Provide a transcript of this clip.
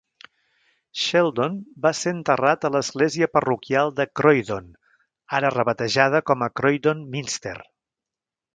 Sheldon va ser enterrat a l'església parroquial de Croydon, ara rebatejada com a Croydon Minster.